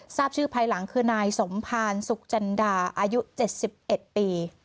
ทราบชื่อภายหลังคือนายสมภารสุขจันดาอายุ๗๑ปี